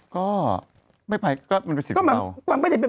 ก็ไม่ไปก็มันเป็นสิทธิ์